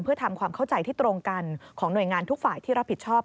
เพื่อทำความเข้าใจที่ตรงกันของหน่วยงานทุกฝ่ายที่รับผิดชอบ